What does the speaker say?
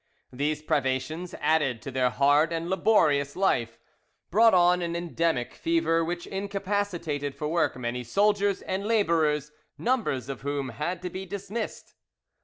These privations, added to their hard and laborious life, brought on an endemic fever, which incapacitated for work many soldiers and labourers, numbers of whom had to be dismissed.